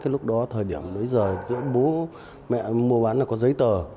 lúc đó thời điểm bố mẹ mua bán là có giấy tờ